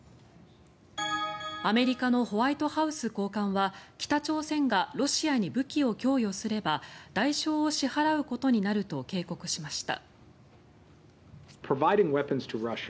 アメリカのホワイトハウス高官は北朝鮮がロシアに武器を供与すれば代償を支払うことになると警告しました。